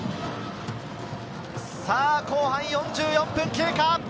後半４４分経過。